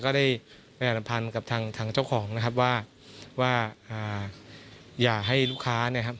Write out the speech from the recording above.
ก็ได้แปลภัณฑ์กับทางเจ้าของนะครับว่าอย่าให้ลูกค้าเนี่ยครับ